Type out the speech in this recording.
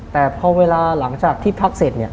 แต่พอเวลาหลังจากที่พักเสร็จเนี่ย